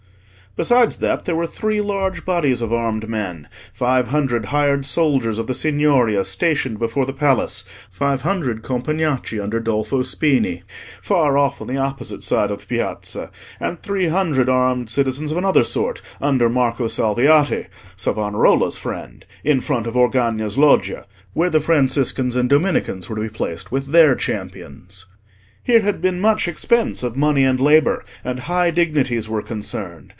Besides that, there were three large bodies of armed men: five hundred hired soldiers of the Signoria stationed before the palace; five hundred Compagnacci under Dolfo Spini, far off on the opposite side of the Piazza; and three hundred armed citizens of another sort, under Marco Salviati, Savonarola's friend, in front of Orgagna's Loggia, where the Franciscans and Dominicans were to be placed with their champions. Here had been much expense of money and labour, and high dignities were concerned.